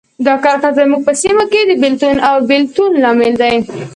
دا کرښه زموږ په سیمو کې د بېلتون او بیلتون لامل ده.